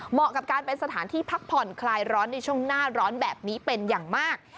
กับการเป็นสถานที่พักผ่อนคลายร้อนในช่วงหน้าร้อนแบบนี้เป็นอย่างมาก